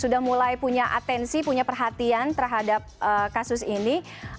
sudah mulai punya atensi punya perhatian terhadap kasus ini